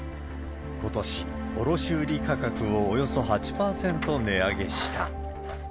ことし、卸売り価格をおよそ８％値上げした。